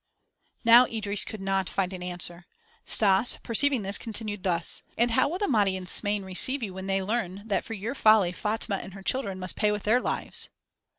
Now Idris could not find an answer. Stas, perceiving this, continued thus: "And how will the Mahdi and Smain receive you when they learn that for your folly Fatma and her children must pay with their lives?"